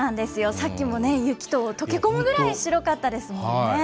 さっきも雪と溶け込むぐらい白かったですもんね。